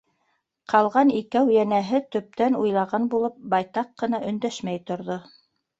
Ҡалған икәү, йәнәһе, төптән уйлаған булып, байтаҡ ҡына өндәшмәй торҙо.